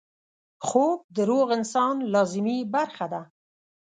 خوب د روغ انسان لازمي برخه ده